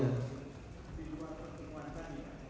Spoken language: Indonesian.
di luar pertemuan tadi